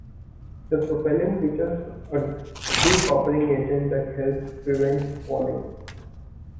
The propellant features a de-coppering agent that helps prevent fouling.